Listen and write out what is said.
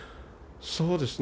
そうですね。